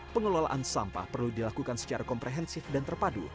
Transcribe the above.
pengelolaan sampah perlu dilakukan secara komprehensif dan terpadu